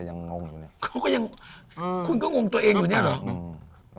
โทษยังคูณก็งงตัวเองอยู่เนี่ยเหรอ